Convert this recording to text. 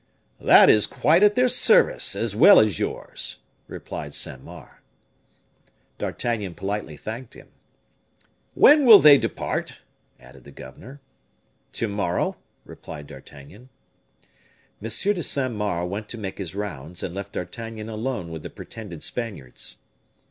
"That is quite at their service, as well as yours," replied Saint Mars. D'Artagnan politely thanked him. "When will they depart?" added the governor. "To morrow," replied D'Artagnan. M. de Saint Mars went to make his rounds, and left D'Artagnan alone with the pretended Spaniards.